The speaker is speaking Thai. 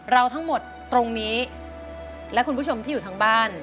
เราทั้งหมดตรงนี้และคุณผู้ชมที่อยู่ทางบ้าน